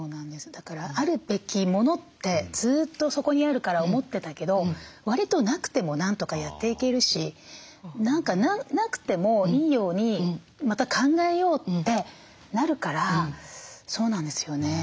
だからあるべき物ってずっとそこにあるから思ってたけどわりとなくてもなんとかやっていけるし何かなくてもいいようにまた考えようってなるからそうなんですよね。